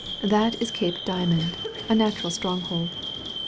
That is Cape Diamond — ^a natural stronghold.